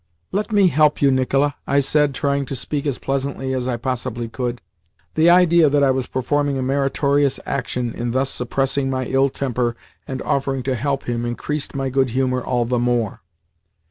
"Let me help you, Nicola," I said, trying to speak as pleasantly as I possibly could. The idea that I was performing a meritorious action in thus suppressing my ill temper and offering to help him increased my good humour all the more.